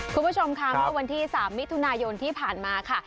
คุณผู้ชมค่ะเมื่อวันที่๓มิถุนายนที่ผ่านมาค่ะ